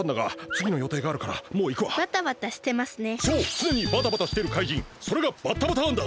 つねにバタバタしてるかいじんそれがバッタバターンだ！